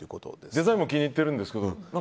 デザインも気に入っているんですけど意外な。